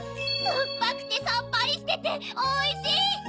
すっぱくてさっぱりしてておいしい！